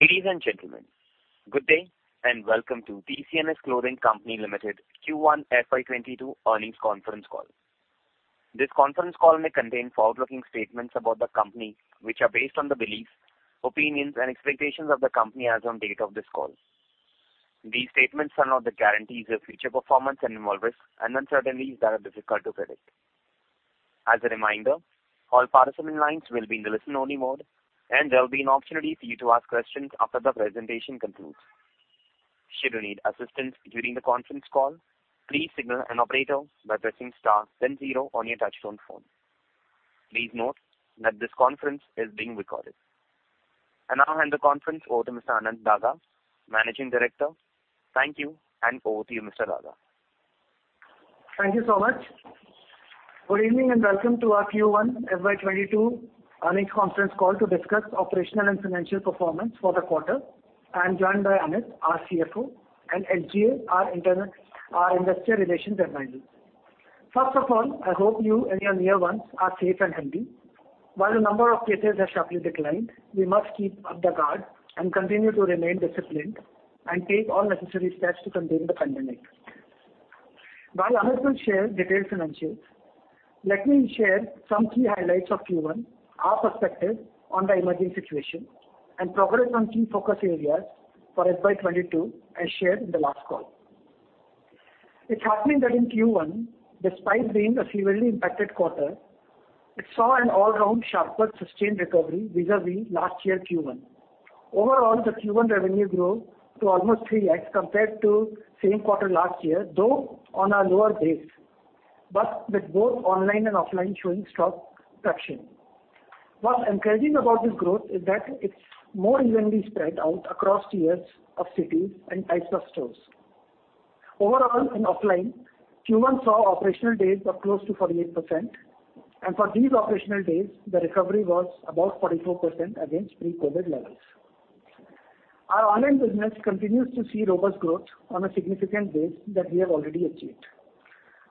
Ladies and gentlemen, good day, and welcome to TCNS Clothing Company Ltd. Q1 FY 2022 earnings conference call. This conference call may contain forward-looking statements about the company which are based on the beliefs, opinions, and expectations of the company as on date of this call. These statements are not the guarantees of future performance and involve risks and uncertainties that are difficult to predict. As a reminder, all participants' lines will be in listen-only mode, and there will be an opportunity for you to ask questions after the presentation concludes. Should you need assistance during the conference call, please signal an operator by pressing star then zero on your touch-tone phone. Please note that this conference is being recorded. I now hand the conference over to Mr. Anant Kumar Daga, Managing Director. Thank you, and over to you, Mr. Daga. Thank you so much. Good evening, and welcome to our Q1 FY2022 earnings conference call to discuss operational and financial performance for the quarter. I'm joined by Amit, our CFO, and HGA, our Investor Relations advisory. First of all, I hope you and your near ones are safe and healthy. While the number of cases has sharply declined, we must keep up the guard and continue to remain disciplined and take all necessary steps to contain the pandemic. While Amit will share detailed financials, let me share some key highlights of Q1, our perspective on the emerging situation, and progress on key focus areas for FY 2022 as shared in the last call. It's heartening that in Q1, despite being a severely impacted quarter, it saw an all-round sharper sustained recovery vis-à-vis last year Q1. Overall, the Q1 revenue growth to almost 3x compared to same quarter last year, though on a lower base, but with both online and offline showing strong traction. What's encouraging about this growth is that it's more evenly spread out across tiers of cities and types of stores. Overall, in offline, Q1 saw operational days of close to 48%, and for these operational days, the recovery was about 44% against pre-COVID levels. Our online business continues to see robust growth on a significant base that we have already achieved.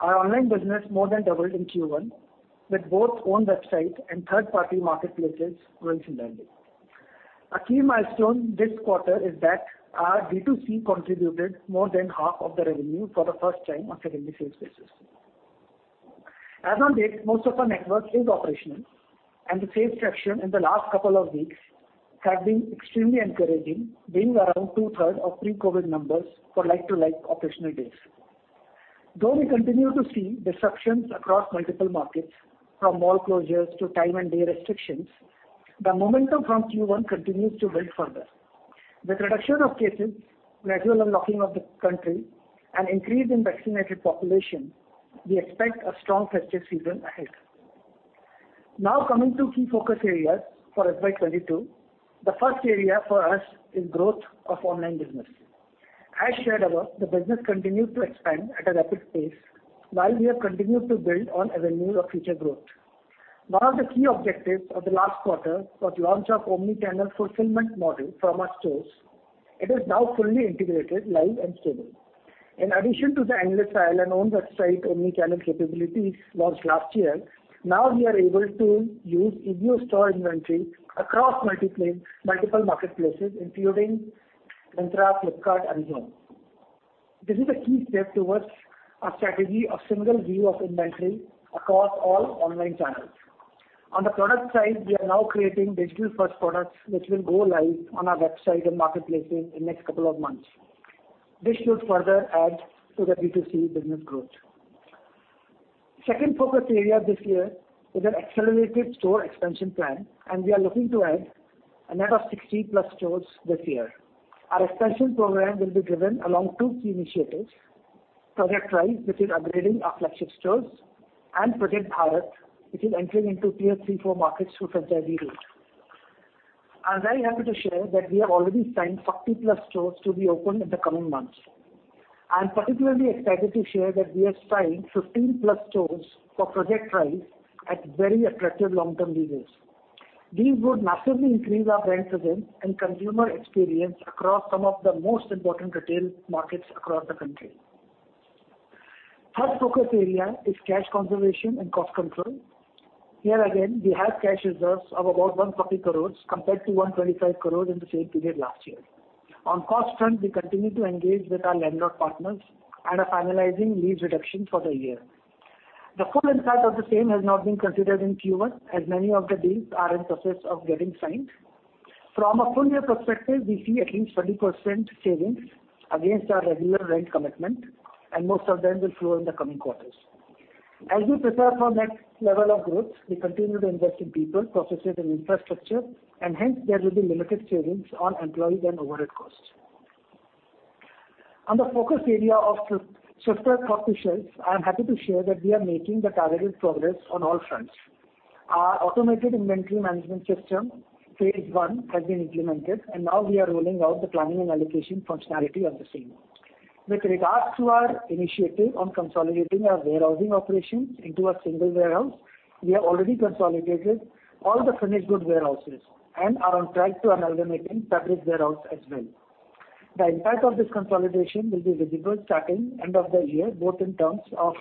Our online business more than doubled in Q1, with both own website and third-party marketplaces growing similarly. A key milestone this quarter is that our D2C contributed more than half of the revenue for the first time on a revenue sales basis. As on date, most of our network is operational, and the sales traction in the last couple of weeks has been extremely encouraging, being around two-thirds of pre-COVID numbers for like-to-like operational days. Though we continue to see disruptions across multiple markets, from mall closures to time and day restrictions, the momentum from Q1 continues to build further. With reduction of cases, gradual unlocking of the country, and increase in vaccinated population, we expect a strong festive season ahead. Now coming to key focus areas for FY 2022. The first area for us is growth of online business. As shared above, the business continued to expand at a rapid pace while we have continued to build on avenues of future growth. One of the key objectives of the last quarter was launch of omni-channel fulfillment model from our stores. It is now fully integrated, live, and stable. In addition to the endless aisle and own website omni-channel capabilities launched last year, now we are able to use in-store inventory across multiple marketplaces, including Myntra, Flipkart, and Ajio. This is a key step towards our strategy of single view of inventory across all online channels. On the product side, we are now creating digital-first products, which will go live on our website and marketplace in next couple of months. This should further add to the D2C business growth. Second focus area this year is an accelerated store expansion plan, and we are looking to add a net of 60+ stores this year. Our expansion program will be driven along two key initiatives, Project Rise, which is upgrading our flagship stores, and Project Bharat, which is entering into tier three, four markets through franchisee route. I'm very happy to share that we have already signed 40+ stores to be opened in the coming months. I'm particularly excited to share that we have signed 15+ stores for Project Rise at very attractive long-term leases. These would massively increase our brand presence and consumer experience across some of the most important retail markets across the country. Third focus area is cash conservation and cost control. Here again, we have cash reserves of about 140 crores compared to 125 crore in the same period last year. On cost front, we continue to engage with our landlord partners and are finalizing lease reduction for the year. The full impact of the same has not been considered in Q1, as many of the deals are in process of getting signed. From a full-year perspective, we see at least 20% savings against our regular rent commitment. Most of them will flow in the coming quarters. As we prepare for next level of growth, we continue to invest in people, processes, and infrastructure. Hence, there will be limited savings on employee and overhead costs. On the focus area of software top shelves, I'm happy to share that we are making the targeted progress on all fronts. Our automated inventory management system, phase I, has been implemented. Now, we are rolling out the planning and allocation functionality of the same. With regards to our initiative on consolidating our warehousing operations into a single warehouse, we have already consolidated all the finished goods warehouses and are on track to amalgamating fabric warehouse as well. The impact of this consolidation will be visible starting end of the year, both in terms of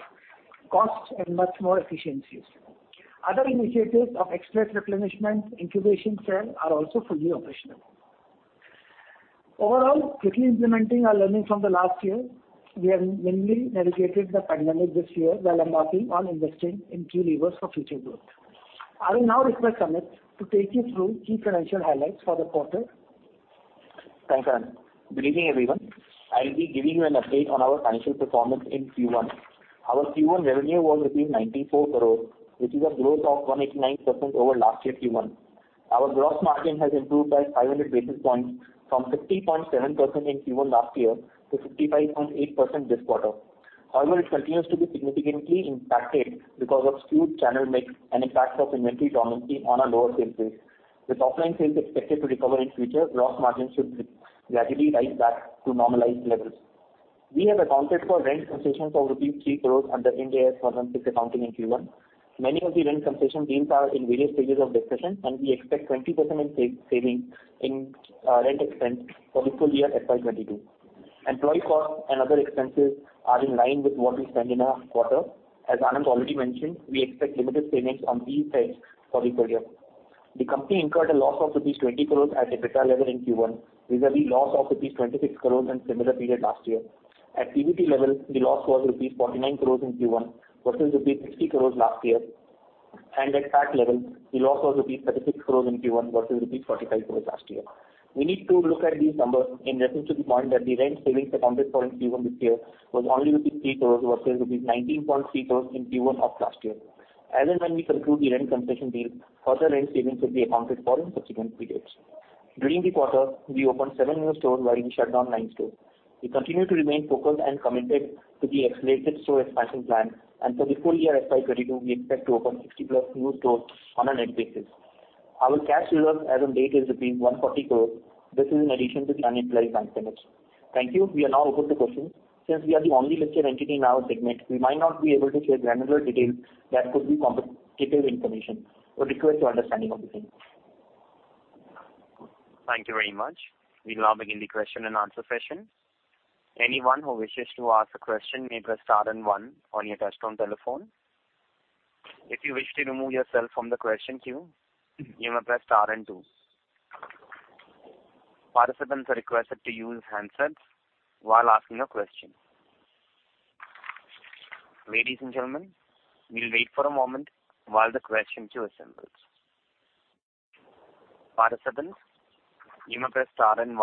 cost and much more efficiencies. Other initiatives of express replenishment incubation sale are also fully operational. Overall, quickly implementing our learning from the last year, we have mainly navigated the pandemic this year while embarking on investing in key levers for future growth. I will now request Amit Chand to take you through key financial highlights for the quarter. Thanks, Anant. Good evening, everyone. I'll be giving you an update on our financial performance in Q1. Our Q1 revenue was rupees 94 crore, which is a growth of 189% over last year Q1. Our gross margin has improved by 500 basis points from 50.7% in Q1 last year to 55.8% this quarter. However, it continues to be significantly impacted because of skewed channel mix and impact of inventory normalcy on a lower sales base. With offline sales expected to recover in future, gross margin should gradually rise back to normalized levels. We have accounted for rent concession for INR 3 crore under Ind AS 116 accounting in Q1. Many of the rent concession deals are in various stages of discussion, and we expect 20% in savings in rent expense for the full year FY 2022. Employee cost and other expenses are in line with what we spend in a quarter. As Anant already mentioned, we expect limited savings on these heads for the full year. The company incurred a loss of rupees 20 crores at EBITDA level in Q1. Vis-a-vis loss of rupees 26 crores in similar period last year. At PBT level, the loss was rupees 49 crores in Q1 versus rupees 50 crores last year. At PAT level, the loss was rupees 36 crores in Q1 versus rupees 45 crores last year. We need to look at these numbers in reference to the point that the rent savings accounted for in Q1 this year was only 3 crores versus 19.3 crores in Q1 of last year. As and when we conclude the rent concession deal, further rent savings will be accounted for in subsequent periods. During the quarter, we opened seven new stores while we shut down nine stores. We continue to remain focused and committed to the accelerated store expansion plan, and for the full year FY 2022, we expect to open 60+ new stores on a net basis. Our cash reserve as on date is 140 crore. This is in addition to the unutilized bank limits. Thank you. We are now open to questions. Since we are the only listed entity in our segment, we might not be able to share granular details that could be competitive information or requires your understanding of the same. Thank you very much. We will now begin question and answer session. Anyone who wishes to ask a question, please press star and one on touchtone telephone. If you wish to remove yourself from question queue, you may press star and two. Participants are requested to use handset while asking a question. Ladies and gentlemen you will wait for a moment while the question queue assembles. Participants you may press star and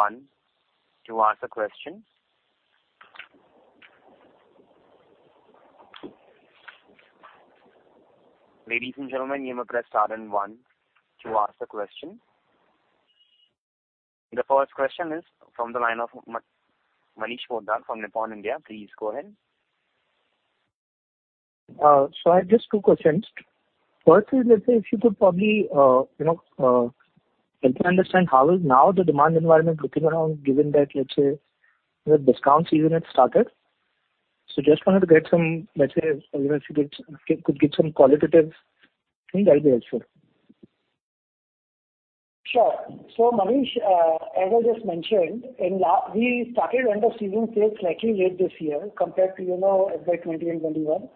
one to ask a question. The first question is from the line of Manish Modi from Nippon India. Please go ahead. I have just two questions. Firstly, let's say if you could probably help me understand how is now the demand environment looking around, given that, let's say, the discounts even have started. Just wanted to get some, let's say, if you could give some qualitative thing, that'll be helpful. Sure. Manish, as I just mentioned, we started end of season sales slightly late this year compared to FY 2020 and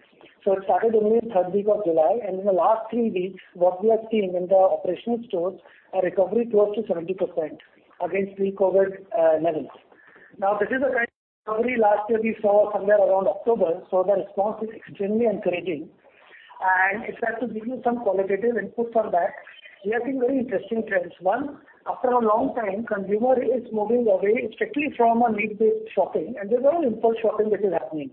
FY 2021. It started only in third week of July, and in the last three weeks, what we have seen in the operational stores, a recovery close to 70% against pre-COVID levels. This is the kind of recovery last year we saw somewhere around October, the response is extremely encouraging. If I have to give you some qualitative input on that, we are seeing very interesting trends. One, after a long time, consumer is moving away strictly from a need-based shopping, and there's a lot of impulse shopping that is happening.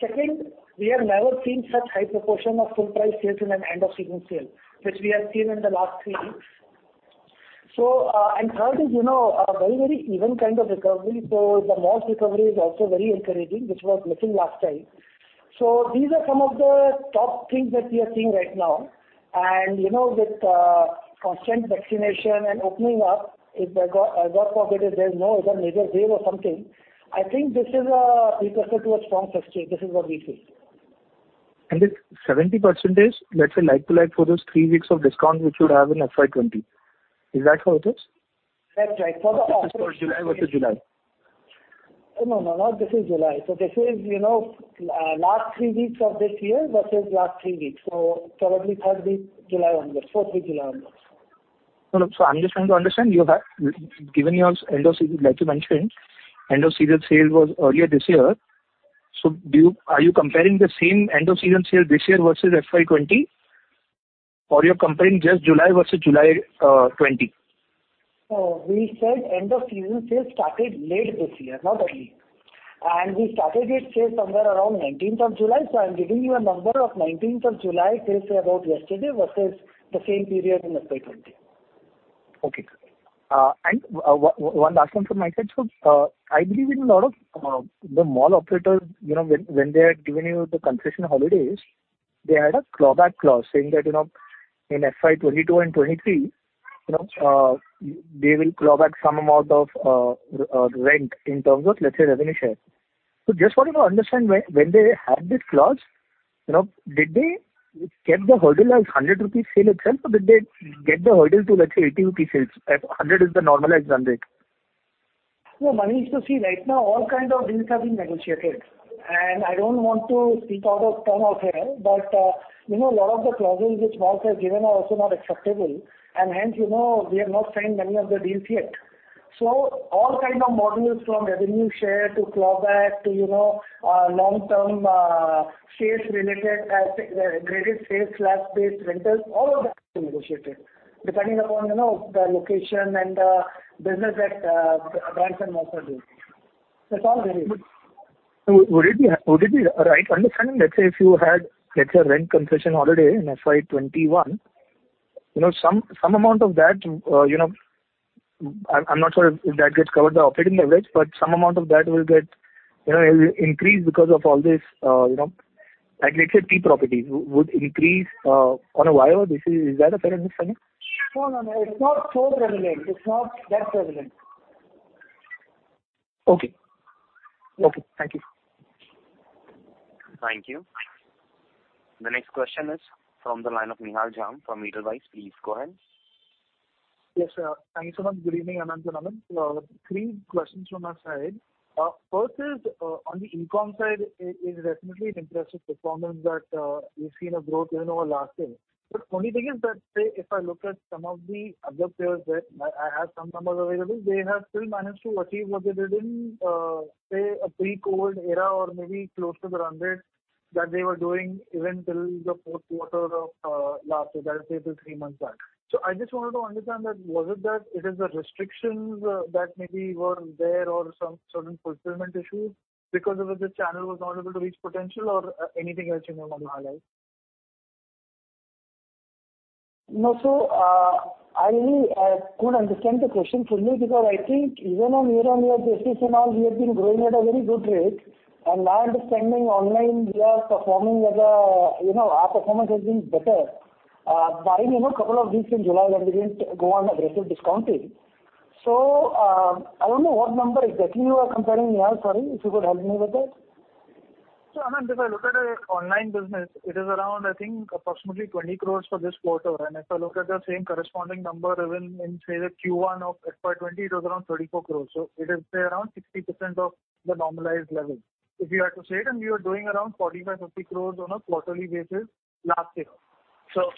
Second, we have never seen such high proportion of full price sales in an end of season sale, which we have seen in the last three weeks. Third is a very even kind of recovery. The mall's recovery is also very encouraging, which was lacking last time. These are some of the top things that we are seeing right now. With constant vaccination and opening up, if God forbid, if there's no other major wave or something, I think this is a precursor to a strong festive. This is what we feel. This 70% is, let's say, like to like for those three weeks of discount which you'd have in FY 2020. Is that how it is? That's right. This is for July versus July. No, not this is July. This is last three weeks of this year versus last three weeks. Probably third week July onwards, fourth week July onwards. I'm just trying to understand. Like you mentioned, end of season sale was earlier this year. Are you comparing the same end of season sale this year versus FY 2020? You're comparing just July versus July 2020? We said end of season sales started late this year, not early. We started it say somewhere around 19th of July. I'm giving you a number of 19th of July till, say, about yesterday versus the same period in FY 2020. Okay. One last one from my side. I believe in lot of the mall operators, when they had given you the concession holidays, they had a claw back clause saying that in FY 2022 and 2023, they will claw back some amount of rent in terms of, let's say, revenue share. Just wanted to understand when they had this clause, did they get the hurdle as 100 rupees sale itself or did they get the hurdle to let's say 80 rupees sales? 100 is the normalized run rate. Manish. You see, right now all kinds of deals are being negotiated, and I don't want to speak out of turn out here. A lot of the clauses which malls have given are also not acceptable, and hence, we have not signed many of the deals yet. All kinds of models from revenue share to clawback to long-term sales related, graded sales, slab-based rentals, all of that is being negotiated depending upon the location and the business that the brands and malls are doing. That's all there is. Would it be the right understanding, let's say if you had, let's say, rent concession already in FY 2021, some amount of that, I'm not sure if that gets covered the operating leverage, but some amount of that will increase because of all this. Let's say key properties would increase on a year-over-year basis. Is that a fair understanding? No, it's not so relevant. It's not that relevant. Okay. Thank you. Thank you. The next question is from the line of Nihal Jham from Edelweiss. Please go ahead. Yes, sir. Thank you so much. Good evening, Anant and Amit. Three questions from my side. First is, on the e-com side, it is definitely an impressive performance that we've seen a growth in over last year. The only thing is that, if I look at some of the other players there, I have some numbers available. They have still managed to achieve what they did in a pre-COVID era or maybe close to the run rate that they were doing even till the fourth quarter of last year, that is till three months back. I just wanted to understand that was it that it is the restrictions that maybe were there or some certain fulfillment issues because of which this channel was not able to reach potential or anything else you know that I like? No, I really couldn't understand the question fully because I think even on year-on-year basis and all, we have been growing at a very good rate. My understanding, online our performance has been better. Barring a couple of weeks in July when we didn't go on aggressive discounting. I don't know what number exactly you are comparing, Nihal. Sorry, if you could help me with that. Amit Chand, if I look at online business, it is around I think approximately 20 crores for this quarter. If I look at the same corresponding number even in, say, the Q1 of FY 2020, it was around 34 crores. It is, say, around 60% of the normalized level. If you had to say it, we were doing around 45 crores-50 crores on a quarterly basis last year.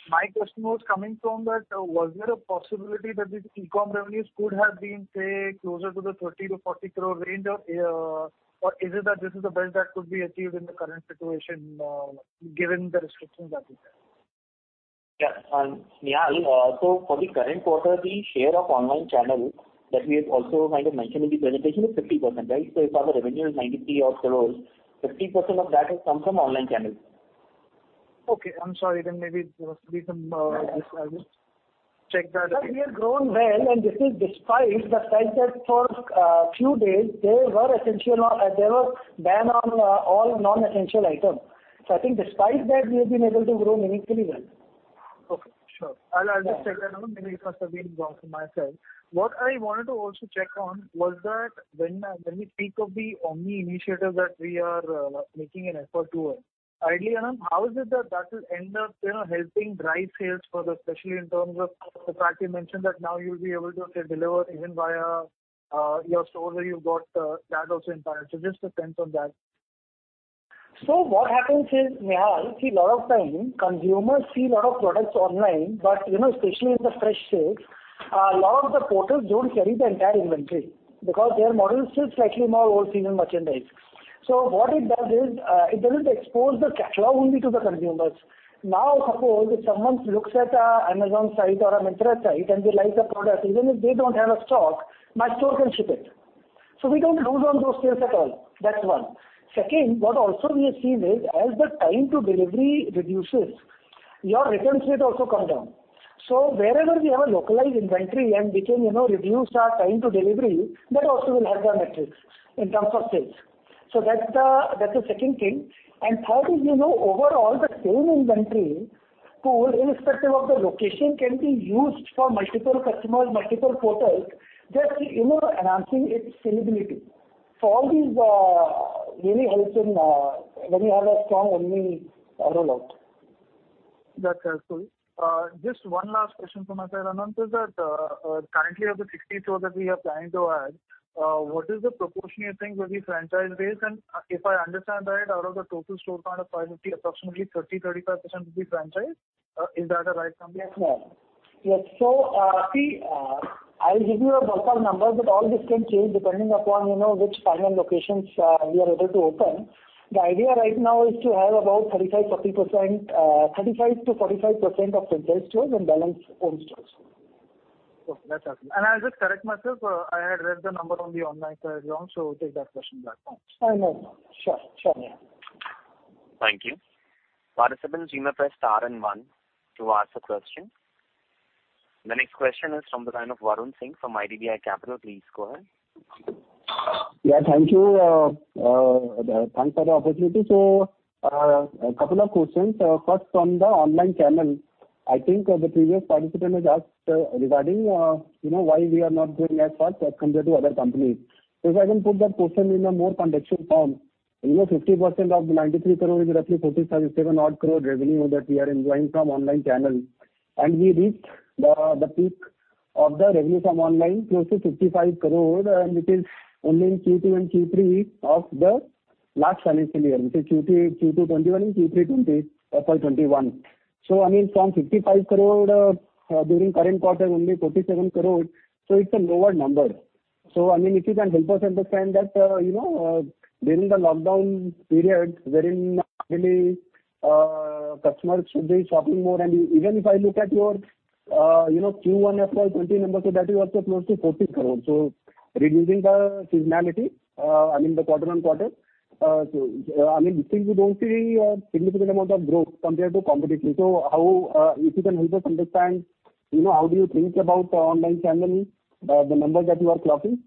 My question was coming from that, was there a possibility that these e-com revenues could have been, say, closer to the 30 crore-40 crore range? Or is it that this is the best that could be achieved in the current situation given the restrictions that we have? Yeah. Nihal, for the current quarter, the share of online channel that we have also kind of mentioned in the presentation is 50%, right? If our revenue is 93 crores, 50% of that has come from online channel. Okay. I'm sorry. Maybe there must be some disparities. Check that. We have grown well, and this is despite the fact that for a few days there was a ban on all non-essential items. I think despite that, we have been able to grow meaningfully well. Okay. Sure. I'll just check that out. Maybe it must have been wrong from my side. What I wanted to also check on was that when we speak of the Omni initiative that we are making an effort towards, ideally, Anant, how is it that will end up helping drive sales especially in terms of the fact you mentioned that now you'll be able to, say, deliver even via your store where you've got that also in place. What happens is, Nihal, see, lot of time, consumers see lot of products online, but especially in the fresh space, a lot of the portals don't carry the entire inventory because their model is still slightly more old-school in merchandise. What it does is, it doesn't expose the catalog only to the consumers. Now, suppose if someone looks at an Amazon site or a Myntra site and they like a product, even if they don't have a stock, my store can ship it. We don't lose on those sales at all. That's one. Second, what also we have seen is as the time to delivery reduces, your return rate also come down. Wherever we have a localized inventory and we can reduce our time to delivery, that also will help our metrics in terms of sales. That's the second thing. Third is overall the same inventory pool, irrespective of the location, can be used for multiple customers, multiple portals, just enhancing its availability. All these really helps in when you have a strong Omni rollout. That's helpful. Just one last question from my side, Anant, is that currently of the 60 stores that we are planning to add, what is the proportion you think will be franchise-based? If I understand right, out of the total store count of 550, approximately 30%-35% will be franchise. Is that a right assumption? Yes. See, I'll give you a ballpark number, but all this can change depending upon which final locations we are able to open. The idea right now is to have about 35%-45% of franchise stores and balance own stores. Okay. That's helpful. I'll just correct myself. I had read the number on the online side wrong, take that question back. I know. Sure. Thank you. Participants, you may press star and one to ask a question. The next question is from the line of Varun Singh from IDBI Capital. Please go ahead. Yeah. Thank you. Thanks for the opportunity. A couple of questions. First, from the online channel, I think the previous participant has asked regarding why we are not growing as fast as compared to other companies. If I can put that question in a more contextual form, 50% of the 93 million is roughly 47 million odd revenue that we are enjoying from online channels. We reached the peak of the revenue from online close to 65 million, and it is only in Q2 and Q3 of the last financial year, which is Q2 FY 2021 and Q3 FY 2021. From 65 million during current quarter, only 47 million. It's a lower number. If you can help us understand that during the lockdown period, wherein really customers should be shopping more, and even if I look at your Q1 FY 2020 number, that is also close to 40 million. Reducing the seasonality, I mean the quarter-on-quarter. I mean, we think we don't see a significant amount of growth compared to competition. If you can help us understand, how do you think about online channel, the numbers that you are clocking?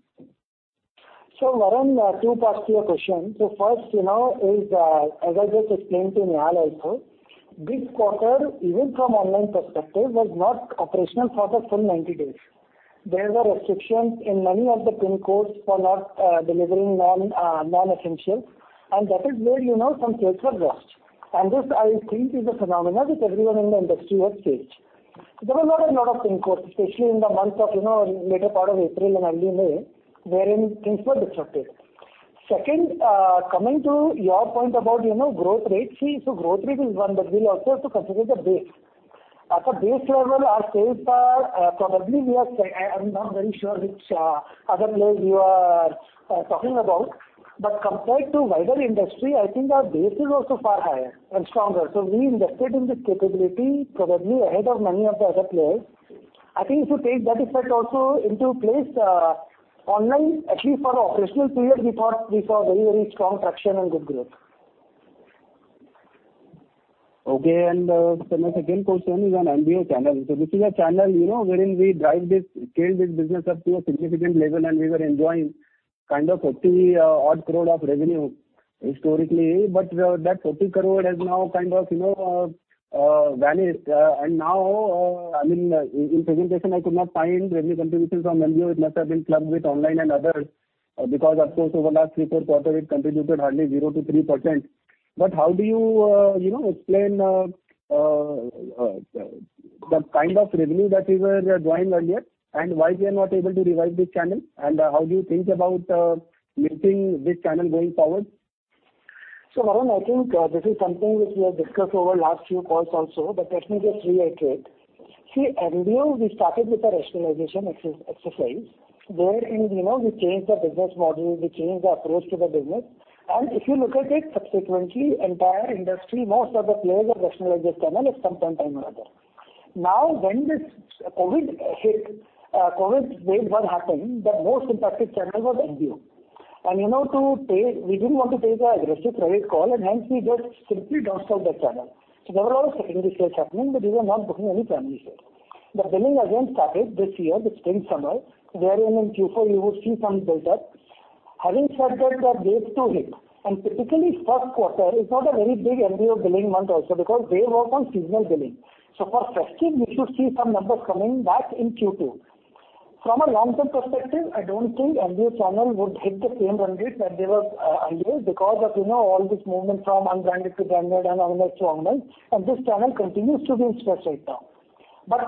Varun, two parts to your question. First, is as I just explained to Nihal also, this quarter, even from online perspective, was not operational for the full 90 days. There were restrictions in many of the pin codes for not delivering non-essentials, and that is where some sales were lost. This, I think, is a phenomenon which everyone in the industry has faced. There were a lot of pin codes, especially in the months of later part of April and early May, wherein things were disrupted. Second, coming to your point about growth rates. Growth rate is one that we'll also have to consider the base. At a base level, our sales are probably, I'm not very sure which other players you are talking about. Compared to wider industry, I think our base is also far higher and stronger. We invested in this capability probably ahead of many of the other players. I think if you take that effect also into place, online, at least for operational period, we saw very strong traction and good growth. Okay, sir, my second question is on MBO channel. This is a channel wherein we scale this business up to a significant level, and we were enjoying kind of 40-odd million of revenue historically. That 40 million has now kind of vanished. Now, I mean, in presentation, I could not find revenue contribution from MBO. It must have been clubbed with online and others because of course over last three, four quarters it contributed hardly 0%-3%. How do you explain the kind of revenue that we were drawing earlier and why we are not able to revive this channel? How do you think about maintaining this channel going forward? Varun, I think this is something which we have discussed over last few calls also, but let me just reiterate. See, MBO, we started with a rationalization exercise wherein we changed the business model, we changed the approach to the business. If you look at it subsequently, entire industry, most of the players have rationalized this channel at some point in time or other. When this COVID wave one happened, the most impacted channel was MBO. We didn't want to take an aggressive credit call, and hence we just simply downscaled that channel. There were a lot of secondary sales happening, but we were not booking any revenue here. The billing again started this year, this spring-summer, wherein in Q4 you would see some build-up. Having said that, the wave two hit, typically first quarter is not a very big MBO billing month also because they work on seasonal billing. For festive, we should see some numbers coming back in Q2. From a long-term perspective, I don't think MBO channel would hit the same run rate that they were earlier because of all this movement from unbranded to branded and online to online. This channel continues to be in stress right now.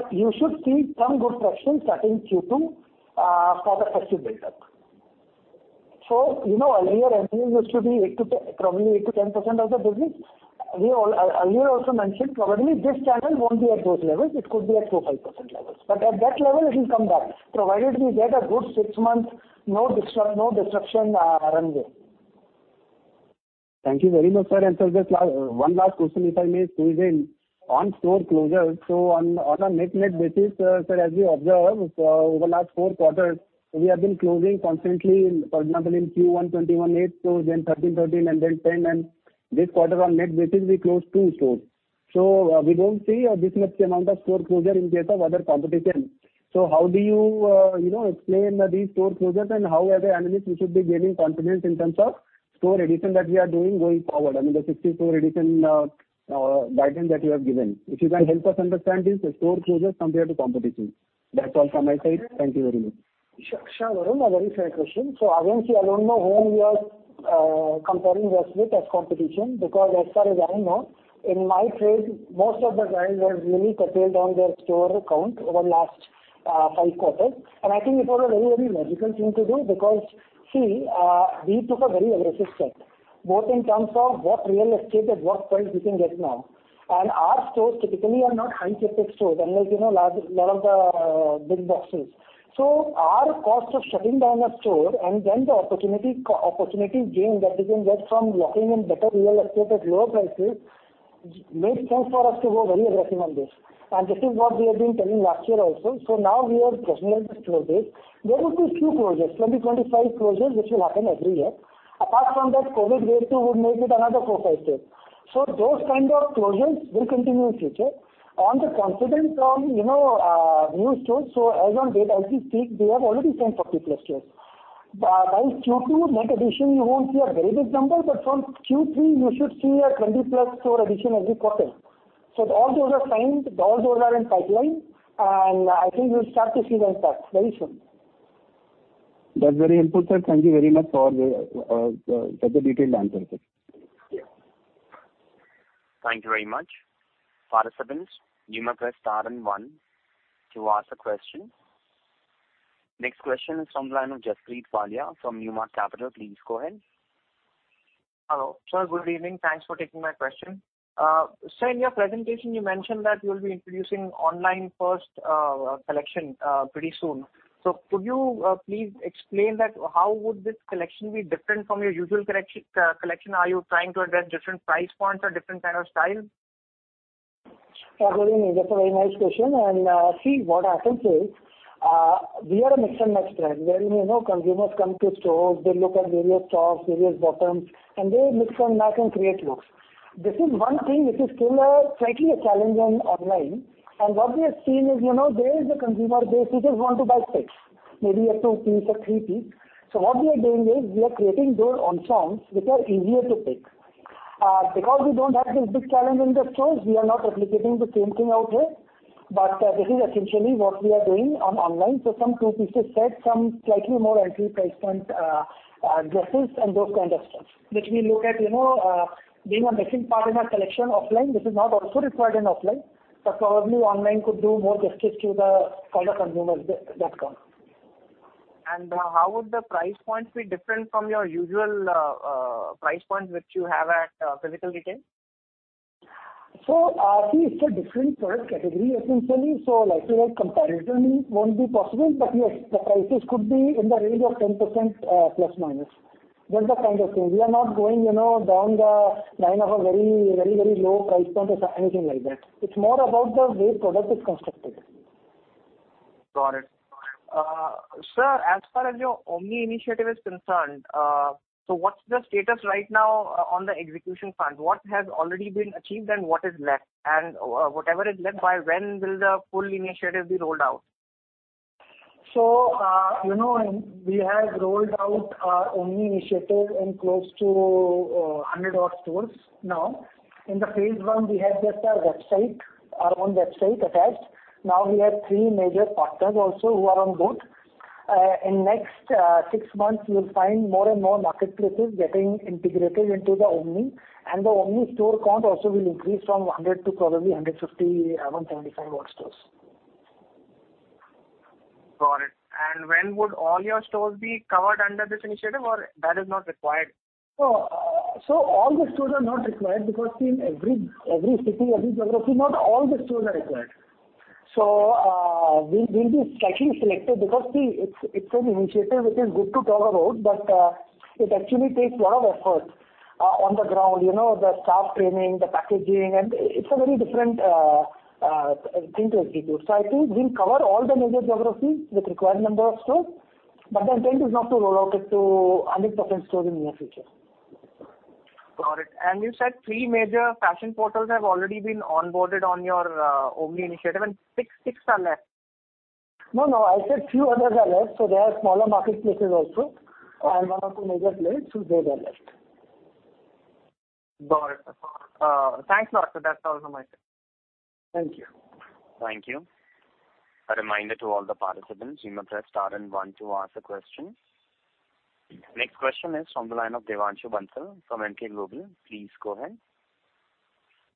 You should see some good traction starting Q2 for the festive build-up. Earlier MBO used to be probably 8%-10% of the business. Earlier I also mentioned probably this channel won't be at those levels. It could be at 2%-5% levels. At that level it will come back, provided we get a good six months, no disruption runway. Thank you very much, sir. Sir, just one last question if I may. Still in on store closures. On a net basis, sir, as we observe over the last four quarters, we have been closing constantly. For example, in Q1 2021, 8 stores, then 13, and then 10 and this quarter on net basis we closed two stores. We don't see a significant amount of store closure in case of other competition. How do you explain these store closures and how are the analytics you should be gaining confidence in terms of store addition that we are doing going forward? I mean the 60 store addition guidance that you have given. If you can help us understand these store closures compared to competition. That's all from my side. Thank you very much. Sure, Varun. A very fair question. Again, see I don't know whom you are comparing us with as competition because as far as I know, in my trade, most of the brands have really curtailed down their store count over last five quarters. I think it was a very logical thing to do because, see, we took a very aggressive step, both in terms of what real estate at what price we can get now. Our stores typically are not high-ticket stores unlike a lot of the big boxes. Our cost of shutting down a store and then the opportunity gain that we can get from locking in better real estate at lower prices made sense for us to go very aggressive on this. This is what we have been telling last year also. Now we are rationalizing store base. There would be few closures, maybe 25 closures which will happen every year. Apart from that, COVID wave two would make it another four, five stores. Those kind of closures will continue in future. On the confidence from new stores, as on date as we speak, we have already 10, 40+ stores. By Q2, net addition, you won't see a very big number, but from Q3, you should see a 20+ store addition every quarter. All those are signed, all those are in pipeline, and I think you'll start to see that very soon. That's very helpful, sir. Thank you very much for the detailed answer. Yeah. Thank you very much. Participants, you may press star and one to ask a question. Next question is from the line of Jaspreet Walia from Newmark Capital. Please go ahead. Hello. Sir, good evening. Thanks for taking my question. Sir, in your presentation, you mentioned that you'll be introducing online first collection pretty soon. Could you please explain that, how would this collection be different from your usual collection? Are you trying to address different price points or different kind of styles? Yeah, good evening. That's a very nice question. See, what happens is, we are a mix and match brand. Where consumers come to stores, they look at various tops, various bottoms, and they mix and match and create looks. This is one thing which is still slightly challenging online. What we have seen is, there is a consumer base who just want to buy picks. Maybe a two-piece or three-piece. What we are doing is, we are creating those ensembles which are easier to pick. Because we don't have this big challenge in the stores, we are not replicating the same thing out here. This is essentially what we are doing on online. Some two-pieces set, some slightly more entry price point dresses and those kind of stuff. Which we look at, being a missing part in our collection offline, this is not also required in offline, but probably online could do more justice to the further consumer that comes. How would the price points be different from your usual price points which you have at physical retail? See, it's a different product category, essentially. Like-to-like comparison won't be possible. Yes, the prices could be in the range of 10%±. That's the kind of thing. We are not going down the line of a very low price point or anything like that. It's more about the way product is constructed. Got it. Sir, as far as your Omni initiative is concerned, what's the status right now on the execution front? What has already been achieved and what is left? Whatever is left, by when will the full initiative be rolled out? We have rolled out our Omni initiative in close to 100 odd stores now. In the phase I, we had just our website, our own website attached. Now we have three major partners also who are on board. In next six months, you'll find more and more marketplaces getting integrated into the Omni. The Omni store count also will increase from 100 to probably 150, 175 odd stores. Got it. When would all your stores be covered under this initiative, or that is not required? All the stores are not required because see, in every city, every geography, not all the stores are required. We'll be slightly selective because see, it's an initiative which is good to talk about, but it actually takes a lot of effort on the ground, the staff training, the packaging, and it's a very different thing to execute. I think we'll cover all the major geographies with required number of stores. The intent is not to roll out it to 100% stores in near future. Got it. You said three major fashion portals have already been onboarded on your Omni initiative, and six are left. No, no, I said few others are left. There are smaller marketplaces also, and one or two major players, so they are left. Got it. Thanks a lot, sir. That is all from my side. Thank you. Thank you. A reminder to all the participants, you may press star and one to ask a question. Next question is from the line of Devanshu Bansal from Emkay Global. Please go ahead.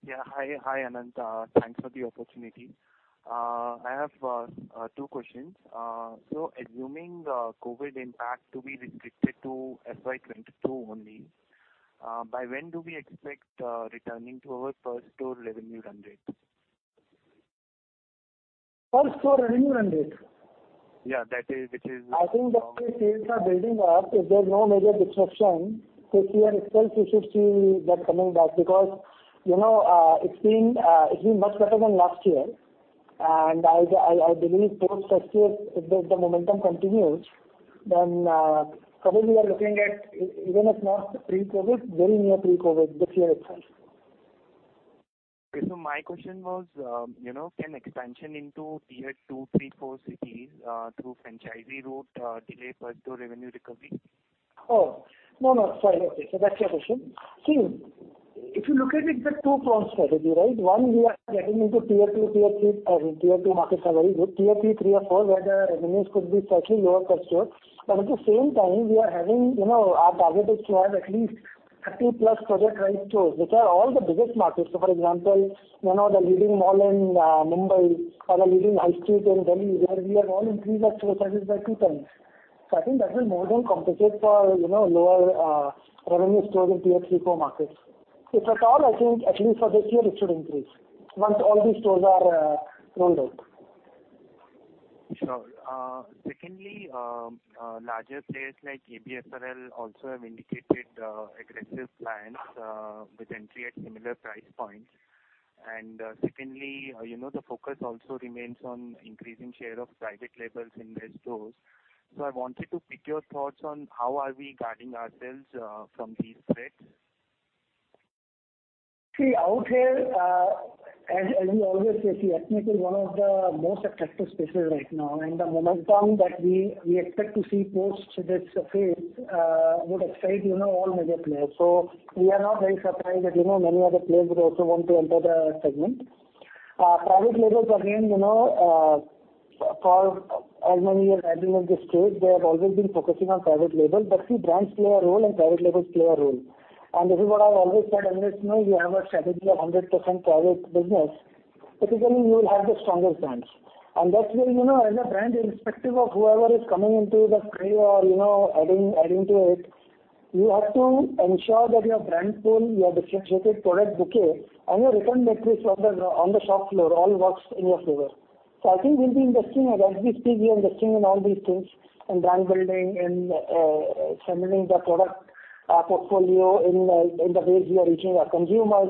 Yeah. Hi, Anant. Thanks for the opportunity. I have two questions. Assuming COVID impact to be restricted to FY 2022 only, by when do we expect returning to our per store revenue run rate? Per store revenue run rate? Yeah. I think the way sales are building up, if there's no major disruption, this year itself you should see that coming back, because it's been much better than last year. I believe post-festive, if the momentum continues, then probably we are looking at even if not pre-COVID, very near pre-COVID this year itself. My question was, can expansion into tier two, three, four cities through franchisee route delay per store revenue recovery? No. Sorry. That's your question. If you look at it's a two-pronged strategy, right? One, we are getting into tier two, tier three. Sorry, tier two markets are very good. Tier three or four, where the revenues could be slightly lower per store. At the same time, we are having our target is to have at least 30+ Project Rise stores, which are all the biggest markets. For example, the leading mall in Mumbai or the leading high street in Delhi where we have all increased our store sizes by 2x. I think that will more than compensate for lower revenue stores in tier three, four markets. If at all, I think at least for this year, it should increase, once all these stores are rolled out. Sure. Secondly, larger players like ABFRL also have indicated aggressive plans with entry at similar price points. Secondly, the focus also remains on increasing share of private labels in their stores. I wanted to pick your thoughts on how are we guarding ourselves from these threats? See, out here, as we always say, ethnic is one of the most attractive spaces right now, and the momentum that we expect to see post this phase would excite all major players. We are not very surprised that many other players would also want to enter the segment. Private labels, again, for as many years as we have been in this space, we have always been focusing on private label. See, brands play a role and private labels play a role, and this is what I've always said, unless you have a category of 100% private business, particularly you will have the stronger brands. That's where, as a brand, irrespective of whoever is coming into the fray or adding to it, you have to ensure that your brand pull, your differentiated product bouquet, and your return metrics on the shop floor all works in your favor. I think we'll be investing, and as we speak, we are investing in all these things, in brand building, in strengthening the product portfolio, in the ways we are reaching our consumers,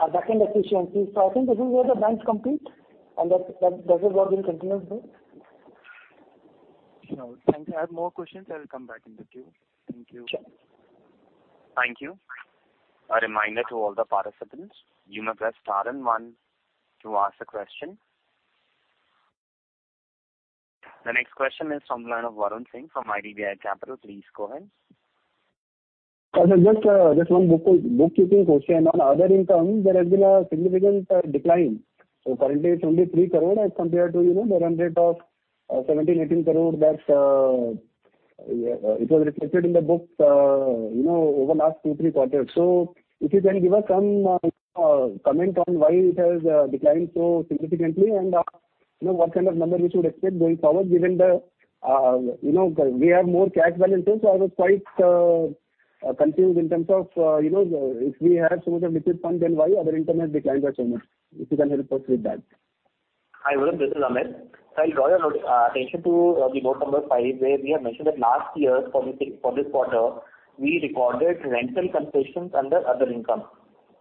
our backend efficiencies. I think this is where the brands compete, and that is what we'll continue to do. Sure. Thank you. I have more questions. I will come back into queue. Thank you. Sure. Thank you. A reminder to all the participants, you may press star and one to ask a question. The next question is from the line of Varun Singh from IDBI Capital. Please go ahead. Sir, just one bookkeeping question. On other income, there has been a significant decline. Currently it's only 3 crore as compared to the run rate of 17 crore-18 crore that it was reflected in the books over the last two, three quarters. If you can give us some comment on why it has declined so significantly, and what kind of number we should expect going forward, given that we have more cash balances. I was quite confused in terms of if we have so much of liquid fund, then why other income has declined by so much. If you can help us with that. Hi, Varun, this is Amit. Sir, I'll draw your attention to the note number five, where we have mentioned that last year for this quarter, we recorded rental concessions under other income.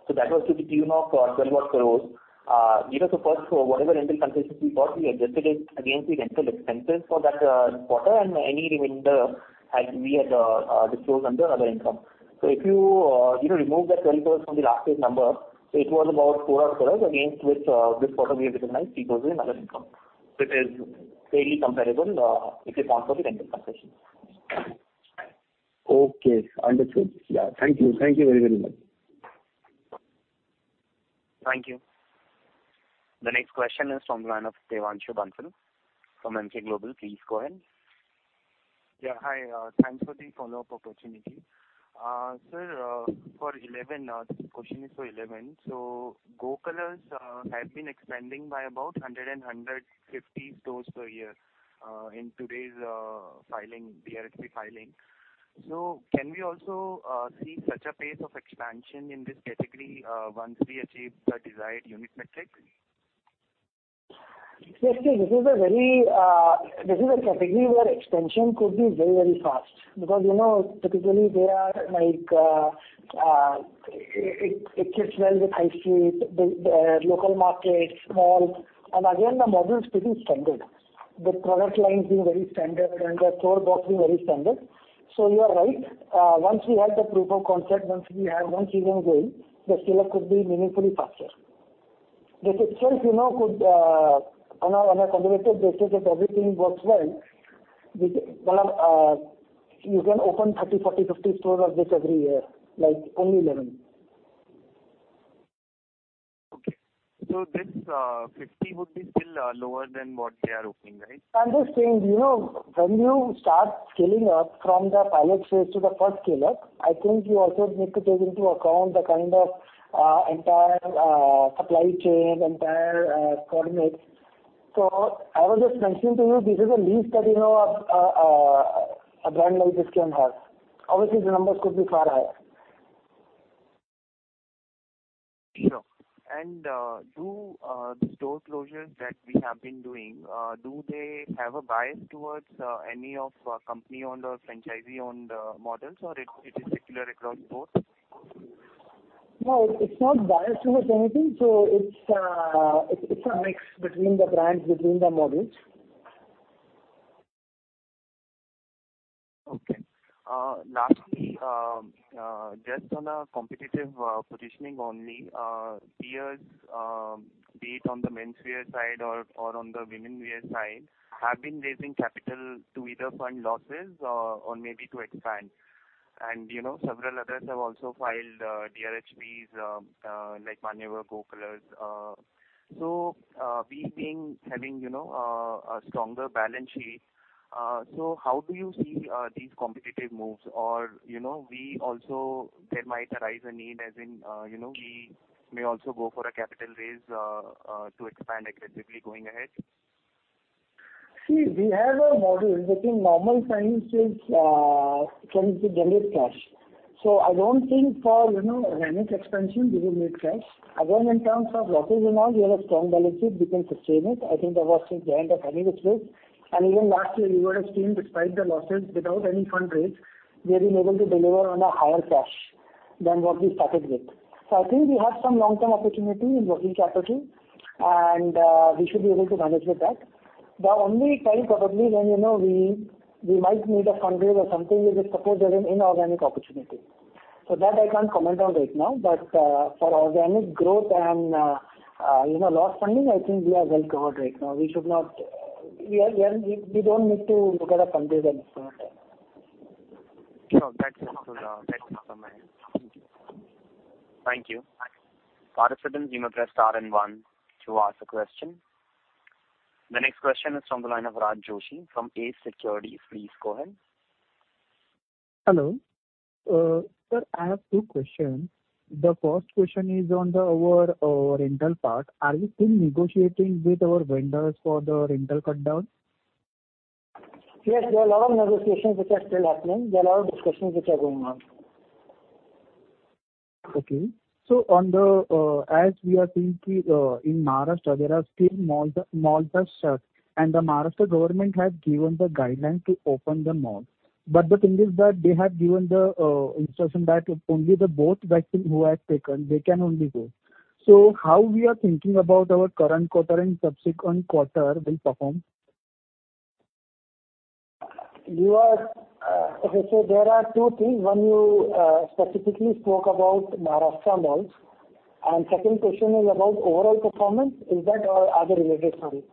That was to the tune of 12 odd crores. First, whatever rental concessions we got, we adjusted it against the rental expenses for that quarter and any remainder we had disclosed under other income. If you remove that 12 crores from the last year's number, it was about 4 odd crores against which this quarter we have recognized INR 3 crores in other income. It is fairly comparable if you account for the rental concessions. Okay. Understood. Thank you very much. Thank you. The next question is from the line of Devanshu Bansal from Emkay Global. Please go ahead. Yeah, hi. Thanks for the follow-up opportunity. Sir, this question is for Elleven. Go Colors have been expanding by about 100 and 150 stores per year in today's DRHP filing. Can we also see such a pace of expansion in this category once we achieve the desired unit metrics? Yes. This is a category where expansion could be very fast because, particularly they are like, it fits well with high street, the local markets, malls, and again, the model is pretty standard. The product lines being very standard and the store boss being very standard. You are right. Once we have the proof of concept, once we have one season going, the scale-up could be meaningfully faster. This itself could, on a conservative basis, if everything works well, you can open 30, 40, 50 stores of this every year, like Elleven. Okay. This 50 would be still lower than what they are opening, right? I'm just saying, when you start scaling up from the pilot phase to the first scale-up, I think you also need to take into account the kind of entire supply chain, entire coordinates. I was just mentioning to you, this is the least that a brand like this can have. Obviously, the numbers could be far higher. Sure. Do the store closures that we have been doing, do they have a bias towards any of company-owned or franchisee-owned models, or it is secular across both? No, it is not biased towards anything. It is a mix between the brands, between the models. Lastly, just on a competitive positioning only, peers, be it on the menswear side or on the womenswear side, have been raising capital to either fund losses or maybe to expand. Several others have also filed DRHPs, like Manyavar, Go Colors. We having a stronger balance sheet, so how do you see these competitive moves? We also, there might arise a need, as in, we may also go for a capital raise to expand aggressively going ahead? See, we have a model which in normal times is going to generate cash. I don't think for any expansion we will need cash. Again, in terms of losses and all, we have a strong balance sheet, we can sustain it. I think that was since the end of 2018. Even last year you would have seen despite the losses, without any fund raise, we have been able to deliver on a higher cash than what we started with. I think we have some long-term opportunity in working capital, and we should be able to manage with that. The only time probably when we might need a fund raise or something is if suppose there's an inorganic opportunity. That I can't comment on right now. For organic growth and loss funding, I think we are well covered right now. We don't need to look at a fund raise at this point in time. Sure. That's useful. Thank you. Thank you. The next question is from the line of Raj Joshi from Ace Securities. Please go ahead. Hello. Sir, I have two questions. The first question is on our rental part. Are we still negotiating with our vendors for the rental cut down? Yes, there are a lot of negotiations which are still happening. There are a lot of discussions which are going on. Okay. As we are seeing in Maharashtra, there are still malls that shut, and the Maharashtra government has given the guideline to open the malls. The thing is that they have given the instruction that only both vaccine who have taken, they can only go. How we are thinking about our current quarter and subsequent quarter will perform? Okay, there are two things. One, you specifically spoke about Maharashtra malls, and second question is about overall performance. Is that, or are they related, sorry?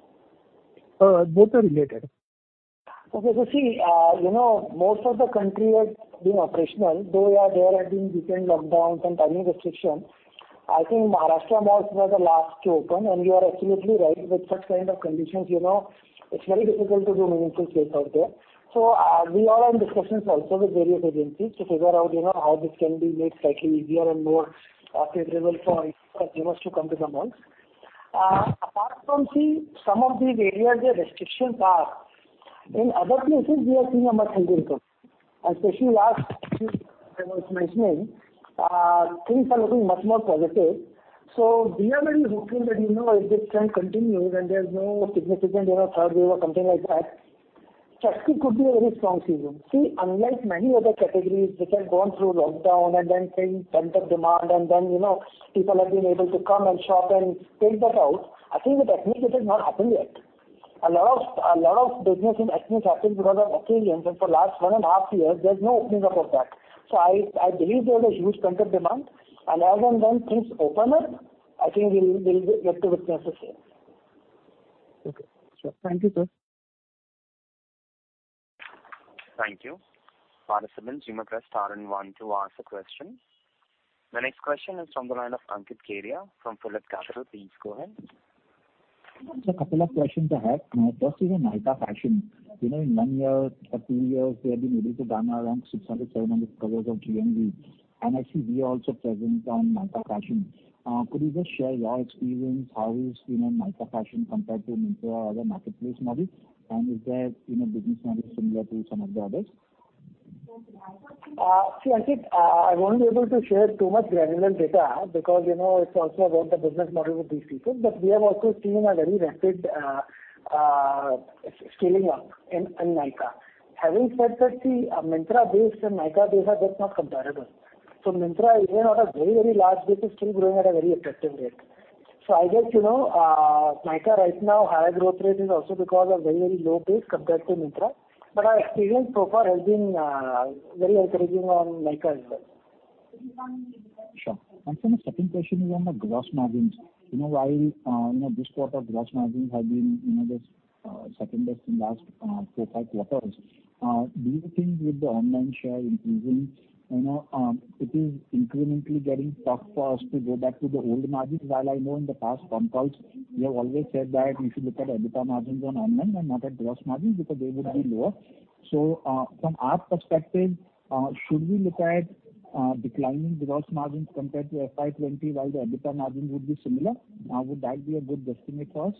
Both are related. Okay. See, most of the country has been operational, though there have been different lockdowns and timing restrictions. I think Maharashtra malls were the last to open. You are absolutely right. With such kind of conditions, it's very difficult to do meaningful sales out there. We are in discussions also with various agencies to figure out how this can be made slightly easier and more favorable for customers to come to the malls. Apart from, see, some of these areas where restrictions are, in other places, we are seeing a much easier opening. Especially last week, I was mentioning, things are looking much more positive. We are very hopeful that if this trend continues and there's no significant third wave or something like that, Navratri could be a very strong season. Unlike many other categories which have gone through lockdown and then pent-up demand, and then people have been able to come and shop and take that out, I think with ethnic this has not happened yet. A lot of business in ethnic happened because of occasions, and for last one and a half years, there's no opening up of that. I believe there's a huge pent-up demand. As and when things open up, I think we'll get to witness the same. Okay, sure. Thank you, sir. Thank you. Participant you may press star and one to ask a question. The next question is from the line of Ankit Kedia from PhillipCapital. Please go ahead. A couple of questions I have. First is on Nykaa Fashion. In one year or two years, they have been able to done around INR 600 crore, INR 700 crore of GMV, and I see we are also present on Nykaa Fashion. Could you just share your experience, how is Nykaa Fashion compared to Myntra or other marketplace models? Is their business model similar to some of the others? Ankit, I won't be able to share too much granular data because it's also about the business model of these people. We have also seen a very rapid scaling up in Nykaa. Having said that, Myntra base and Nykaa base are just not comparable. Myntra is on a very, very large base, still growing at a very attractive rate. I guess Nykaa right now, higher growth rate is also because of very, very low base compared to Myntra. Our experience so far has been very encouraging on Nykaa as well. Sure. Sir, my second question is on the gross margins. While this quarter gross margin has been the second best in last four, five quarters, do you think with the online share increasing, it is incrementally getting tough for us to go back to the old margins? While I know in the past conf calls, you have always said that you should look at EBITDA margins on online and not at gross margins because they would be lower. From our perspective, should we look at declining gross margins compared to FY 2020 while the EBITDA margin would be similar? Would that be a good guesstimate for us?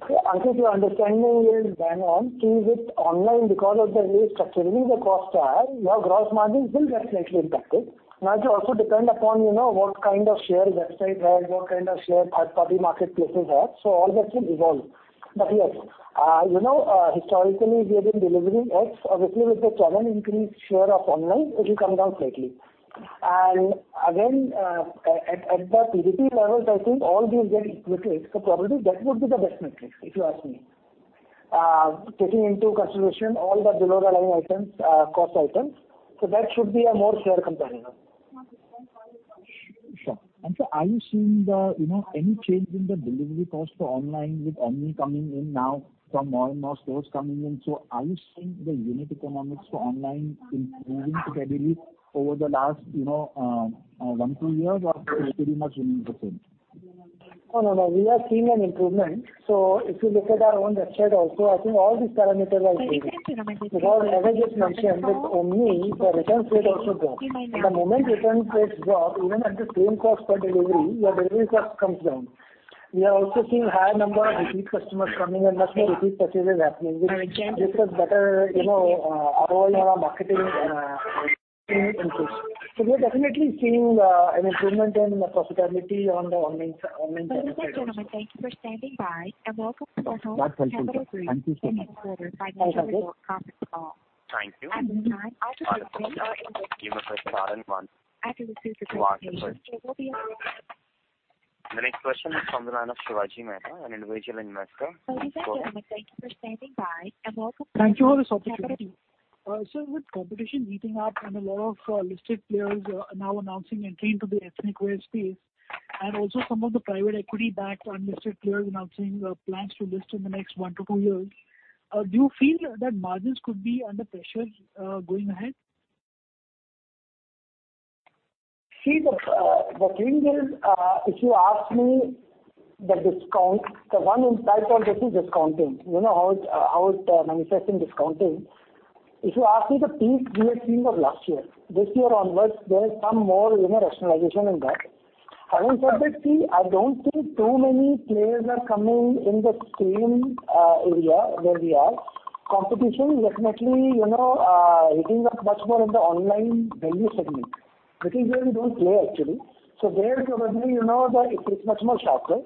Ankit Kedia, your understanding is bang on. With online, because of the way it's structured, whatever the costs are, your gross margins will get slightly impacted. Margins also depend upon what kind of share website has, what kind of share third party marketplaces have. All that will evolve. Yes, historically we have been delivering EPS. Obviously, with the channel increase share of online, it will come down slightly. Again, at the PBT levels, I think all these get equalized. Probably that would be the best metric, if you ask me. Taking into consideration all the below the line items, cost items. That should be a more fair comparison. Sure. Sir, are you seeing any change in the delivery cost for online with omni coming in now, from more and more stores coming in? Are you seeing the unit economics for online improving steadily over the last one, two years, or pretty much remaining the same? No, we are seeing an improvement. If you look at our own website also, I think all these parameters are improving. As I just mentioned, with omni, the return rate also drops. The moment return rates drop, even at the same cost per delivery, your delivery cost comes down. We are also seeing higher number of repeat customers coming and much more repeat purchases happening, which is because better overall marketing increase. We are definitely seeing an improvement in the profitability on the online side. Thank you. The next question is from the line of Shivaji Mehta, an individual investor. Thank you for this opportunity. Sir, with competition heating up and a lot of listed players now announcing entry into the ethnic wear space, and also some of the private equity-backed unlisted players announcing plans to list in the next one to two years, do you feel that margins could be under pressure going ahead? The thing is, if you ask me the discount, the one impact of this is discounting. You know how it's manifesting discounting. If you ask me the peak we had seen was last year. This year onwards, there's some more rationalization in that. Having said that, see, I don't think too many players are coming in the same area where we are. Competition definitely is heating up much more in the online D2C segment, which is where we don't play actually. There probably, it is much more sharper.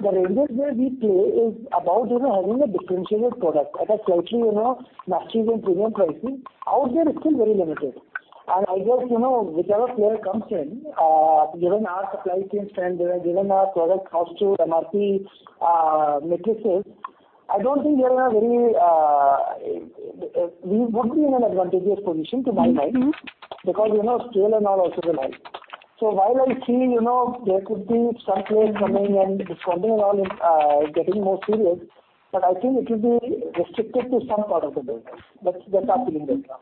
The ranges where we play is about having a differentiated product at a slightly massive and premium pricing. Out there it's still very limited. I guess, whichever player comes in, given our supply chain strength, given our product assortment, MRP matrices, I don't think we would be in an advantageous position to my mind because scale and all also relies. While I feel there could be some players coming and discounting and all getting more serious, but I think it will be restricted to some part of the business. That's our feeling right now.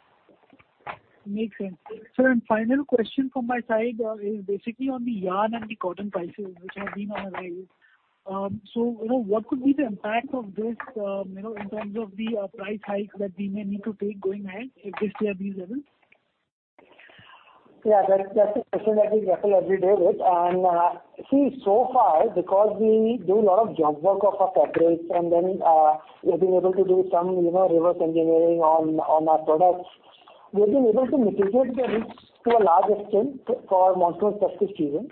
Makes sense. Sir, final question from my side is basically on the yarn and the cotton prices, which have been on a rise. What could be the impact of this in terms of the price hike that we may need to take going ahead if they stay at these levels? Yeah, that's a question that we wrestle every day with. See, so far, because we do a lot of job work of our fabrics, and then we've been able to do some reverse engineering on our products. We've been able to mitigate the risk to a large extent for monster specific reasons.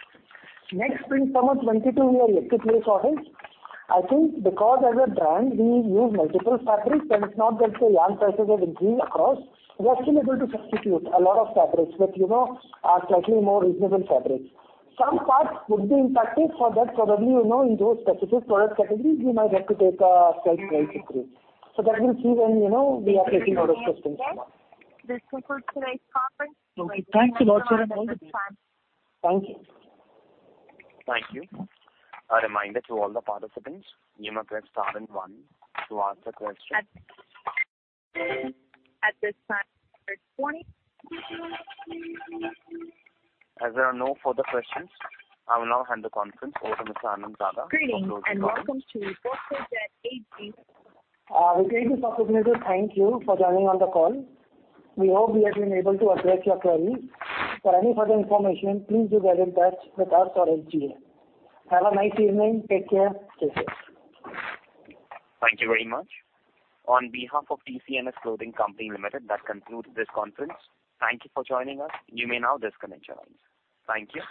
Next spring, summer 2022, we are yet to place orders. I think because as a brand, we use multiple fabrics, and it's not that the yarn prices have increased across, we're still able to substitute a lot of fabrics that are slightly more reasonable fabrics. Some parts could be impacted. For that, probably, in those specific product categories, we might have to take a slight price increase. That we'll see when we are placing our systems tomorrow. Okay, thanks a lot, sir, and have a good day. Thank you. Thank you. A reminder to all the participants, you may press star and one to ask a question. As there are no further questions, I will now hand the conference over to Mr. Anant Kumar Daga to close the call. With this, I would like to thank you for joining on the call. We hope we have been able to address your queries. For any further information, please do get in touch with us or HGA. Have a nice evening. Take care. Cheers. Thank you very much. On behalf of TCNS Clothing Co. Limited, that concludes this conference. Thank you for joining us. You may now disconnect your lines. Thank you.